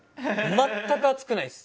全く熱くないです。